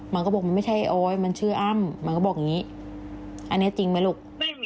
มันก็บอกมันไม่ใช่โอ๊ยมันชื่ออ้ำมันก็บอกอย่างนี้อันนี้จริงไหมลูก